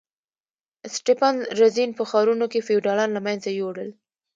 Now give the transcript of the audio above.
اسټپان رزین په ښارونو کې فیوډالان له منځه یوړل.